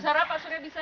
ustara pak surya bisa